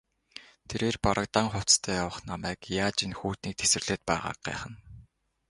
Тэрээр бараг дан хувцастай явах намайг яаж энэ хүйтнийг тэсвэрлээд байгааг гайхна.